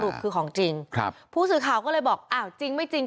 คือของจริงครับผู้สื่อข่าวก็เลยบอกอ้าวจริงไม่จริง